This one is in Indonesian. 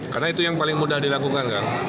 karena itu yang paling mudah dilakukan kan